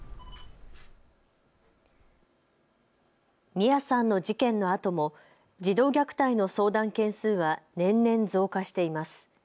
心愛さんの事件のあとも児童虐待の相談件数は年々増加しています。